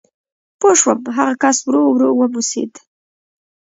پوه شوم، هغه کس ورو ورو وموسېد.